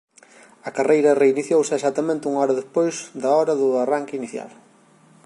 A carreira reiniciouse exactamente unha hora despois da hora do arranque inicial.